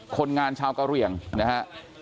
คนงานชาวกาเรียงน่ะครับ